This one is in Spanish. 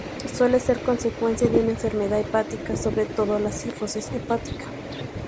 Suele ser consecuencia de una enfermedad hepática, sobre todo la cirrosis hepática.